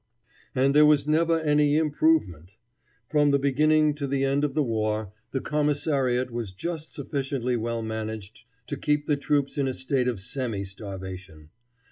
And there was never any improvement. From the beginning to the end of the war the commissariat was just sufficiently well managed to keep the troops in a state of semi starvation.